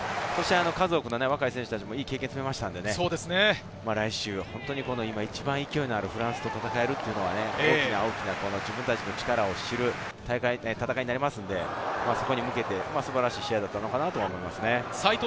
数多くの若い選手たちもいい経験を積みましたので、来週、今一番勢いのあるフランスと戦えるっていうのは、大きな自分たちの力を知る戦いになりますので、そこに向けて素晴らしい試合だったかなと思います。